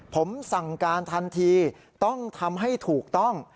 ผมสั่งการทันทีต้องทำให้ถูกต้อง